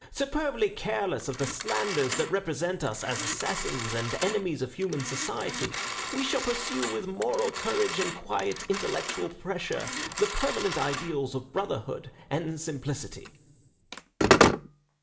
Superbly careless of the slanders that represent us as assassins and enemies of human society, we shall pursue with moral courage and quiet intellectual pressure, the permanent ideals of brotherhood and simplicity."